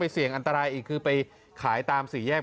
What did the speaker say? เสี่ยงอันตรายอีกคือไปขายตามสี่แยก